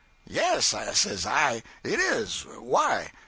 '"Yes," says I, "it is why."